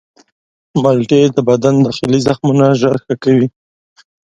مالټې د بدن داخلي زخمونه ژر ښه کوي.